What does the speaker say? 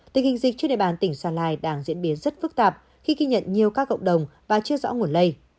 tình hình dịch trên đề bàn tỉnh gia lai đang diễn biến rất phức tạp khi ghi nhận nhiều các cộng đồng và chưa rõ nguồn lây